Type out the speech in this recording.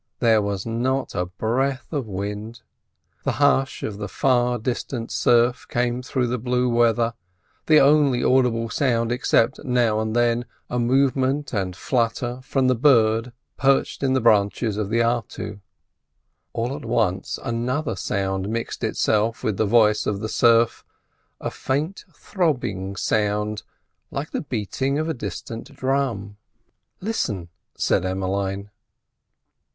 There was not a breath of wind; the hush of the far distant surf came through the blue weather—the only audible sound except, now and then, a movement and flutter from the bird perched in the branches of the artu. All at once another sound mixed itself with the voice of the surf—a faint, throbbing sound, like the beating of a distant drum. "Listen!" said Emmeline.